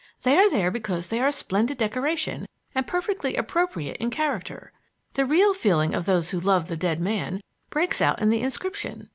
They are there because they are splendid decoration and perfectly appropriate in character. The real feeling of those who loved the dead man breaks out in the inscription."